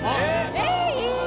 えっいい！